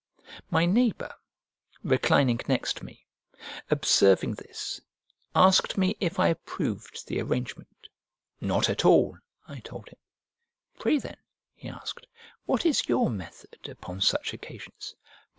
My neighbour, reclining next me, observing this, asked me if I approved the arrangement. Not at all, I told him. "Pray then," he asked, "what is your method upon such occasions?"